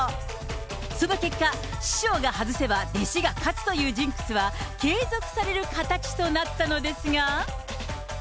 その結果、師匠が外せば弟子が勝つというジンクスは、継続される形となったのですが。